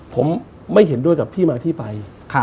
ผมไม่เห็นด้วยกับที่มาที่ไป